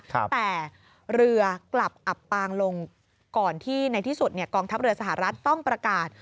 แต่เรือกลับอับปางลงก่อนที่ในที่สุดกองทัพเรือสหรัฐต้องประกาศ